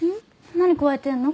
何くわえてんの？